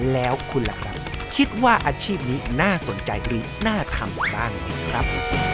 แล้วคุณล่ะครับคิดว่าอาชีพนี้น่าสนใจหรือน่าทำบ้างครับ